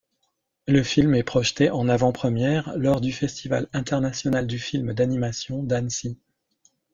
Le film est projeté en avant-première lors du Festival international du film d'animation d'Annecy.